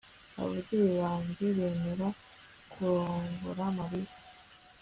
Ababyeyi banjye bemeye kurongora Mariya